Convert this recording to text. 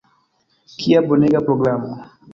Kia bonega programo!